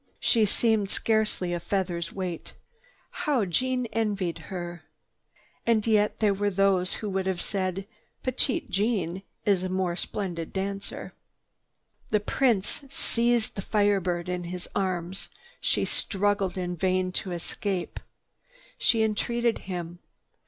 She seemed scarcely a feather's weight. How Jeanne envied her! And yet there were those who would have said, "Petite Jeanne is a more splendid dancer." The Prince seized the Fire Bird in his arms. She struggled in vain to escape. She entreated him.